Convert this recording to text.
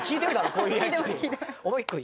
こういうやりとり。